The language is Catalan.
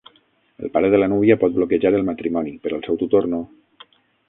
El pare de la núvia pot bloquejar el matrimoni, però el seu tutor no.